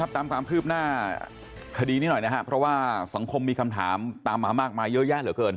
ตามความคืบหน้าคดีนี้หน่อยนะครับเพราะว่าสังคมมีคำถามตามมามากมายเยอะแยะเหลือเกิน